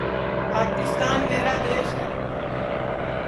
پاکِستان میرا دؔیس ہے